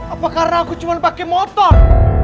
apakah ra aku cuma pake motor